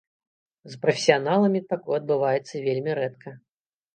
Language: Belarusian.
З прафесіяналамі такое адбываецца вельмі рэдка.